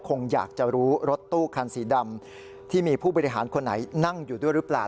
คงอยากจะรู้รถตู้คันสีดำที่มีผู้บริหารคนไหนนั่งอยู่ด้วยหรือเปล่า